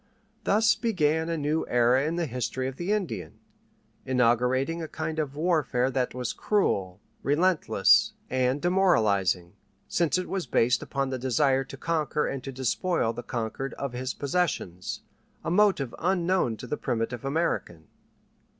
Thus began a new era in the history of the Indian, inaugurating a kind of warfare that was cruel, relentless, and demoralizing, since it was based upon the desire to conquer and to despoil the conquered of his possessions a motive unknown to the primitive American.